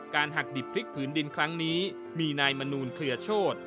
หักดิบพลิกผืนดินครั้งนี้มีนายมนูลเคลือโชธ